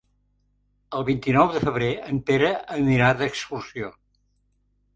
El vint-i-nou de febrer en Pere anirà d'excursió.